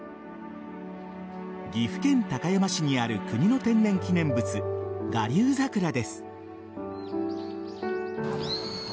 岐阜県高山市にある国の天然記念物臥龍桜です。